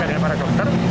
dengan para dokter